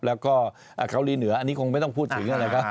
แล้วก็เกาหลีเหนืออันนี้คงไม่ต้องพูดถึงนะครับ